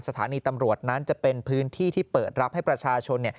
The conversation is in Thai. สถานีตำรวจนั้นจะเป็นพื้นที่ที่เปิดรับให้ประชาชน